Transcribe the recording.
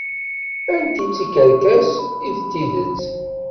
Anti tikerkas i d tidet?